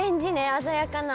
鮮やかな。